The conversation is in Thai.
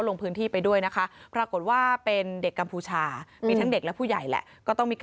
ใช่เด็กตัวเล็กมาเดินขอเงินอะไรแบบนี้ค่ะ